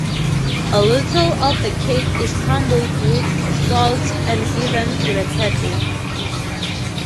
A little of the cake is crumbled with salt and given to the cattle.